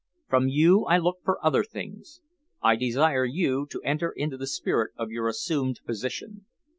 From you I look for other things. I desire you to enter into the spirit of your assumed position.